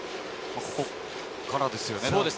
ここからですね。